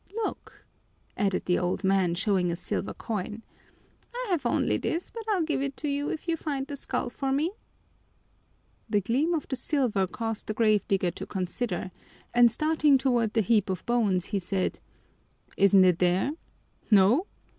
"Look!" added the old man, showing a silver coin, "I have only this, but I'll give it to you if you find the skull for me." The gleam of the silver caused the grave digger to consider, and staring toward the heap of bones he said, "Isn't it there? No?